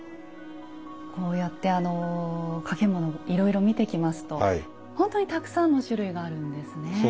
こうやって掛物いろいろ見てきますと本当にたくさんの種類があるんですね。